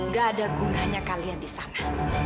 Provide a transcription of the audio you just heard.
gak ada gunanya kalian di sana